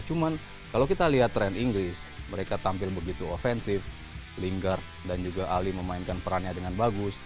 cuman kalau kita lihat tren inggris mereka tampil begitu ofensif linggar dan juga ali memainkan perannya dengan bagus